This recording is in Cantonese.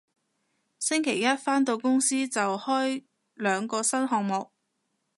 星期一返到公司就開兩個新項目